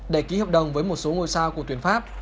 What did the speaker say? để ký hợp đồng với một số ngôi sao của tuyển pháp